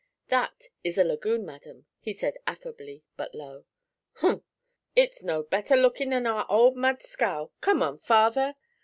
'That is a lagoon, madam,' he said, affably but low. 'Umph! It's no better lookin' than our old mud scow! Come on, father.'